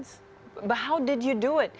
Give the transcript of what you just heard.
tapi bagaimana kamu melakukannya